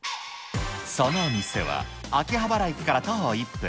その店は秋葉原駅から徒歩１分。